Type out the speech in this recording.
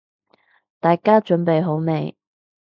大家準備好未？